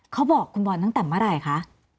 เขาบอกคุณบอลตั้งแต่เมื่อไหร่คะ